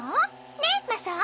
ねっマサオ。